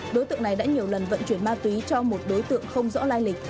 đối tượng này đã nhiều lần vận chuyển ma túy cho một đối tượng không rõ lai lịch